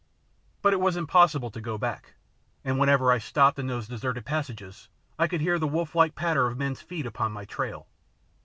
But it was impossible to go back, and whenever I stopped in those deserted passages I could hear the wolflike patter of men's feet upon my trail.